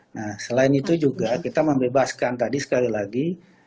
nah selain itu juga kita membebaskan tadi sekali lagi